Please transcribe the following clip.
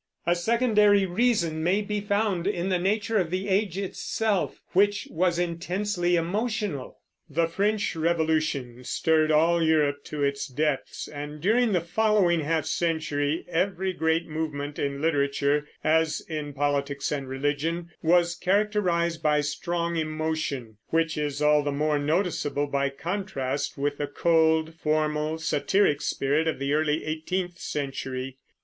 A secondary reason may be found in the nature of the age itself, which was intensely emotional. The French Revolution stirred all Europe to its depths, and during the following half century every great movement in literature, as in politics and religion, was characterized by strong emotion; which is all the more noticeable by contrast with the cold, formal, satiric spirit of the early eighteenth century.